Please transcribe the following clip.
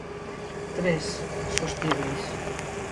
Tres: sostíbeis.